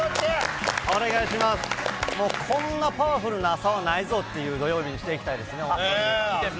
もうこんなパワフルな朝はないぞっていう土曜日にしていきたいですね。